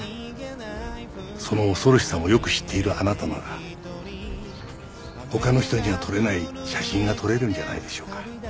その恐ろしさをよく知っているあなたなら他の人には撮れない写真が撮れるんじゃないでしょうか。